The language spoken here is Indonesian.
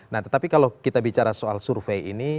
nah tetapi kalau kita bicara soal survei ini